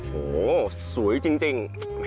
โหสวยจริง